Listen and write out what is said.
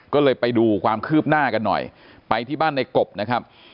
ก็เลยไปดูความคืบหน้ากันหน่อยไปที่บ้านในกบนะครับ